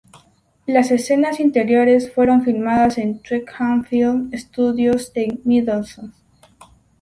Las escenas interiores fueron filmadas en Twickenham Film Studios en Middlesex.